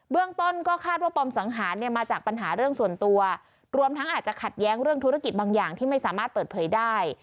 เรื่องต้นก็คาดว่าปมสังหารเนี่ยมาจากปัญหาเรื่องส่วนตัวรวมทั้งอาจจะขัดแย้งเรื่องธุรกิจบางอย่างที่ไม่สามารถเปิดเผยได้